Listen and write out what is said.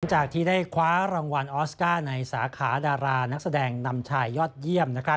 จากที่ได้คว้ารางวัลออสการ์ในสาขาดารานักแสดงนำชายยอดเยี่ยม